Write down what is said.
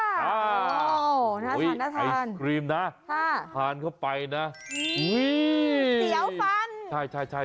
อ่าน่าทานอุ้ยไอศครีมนะทานเข้าไปนะนี่